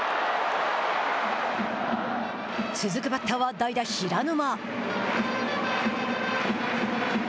続くバッターは代打平沼。